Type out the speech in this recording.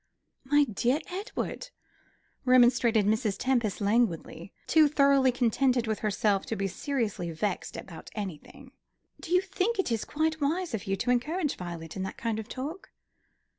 "My dear Edward," remonstrated Mrs. Tempest, languidly, too thoroughly contented with herself to be seriously vexed about anything, "do you think it is quite wise of you to encourage Violet in that kind of talk?"